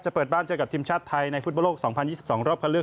จะเปิดบ้านเจอกับทีมชาติไทยในฟุตโบรกสองพันยี่สิบสองรอบคำเลือก